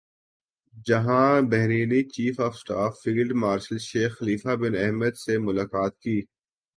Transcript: جہاں Bahraini chief of staff field marshal Sheikh Khalifa bin Ahmed سے ملاقات کی